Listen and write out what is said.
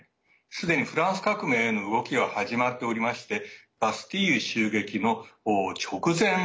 すでにフランス革命への動きは始まっておりましてバスティーユ襲撃の直前の時代です。